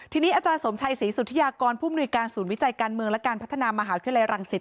ทีนี้อาจารย์สมชัยศรีสุธิยากรผู้มนุยการศูนย์วิจัยการเมืองและการพัฒนามหาวิทยาลัยรังสิต